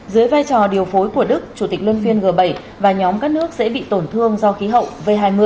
dưới vai trò điều phối của đức chủ tịch luân phiên g bảy và nhóm các nước sẽ bị tổn thương do khí hậu v hai mươi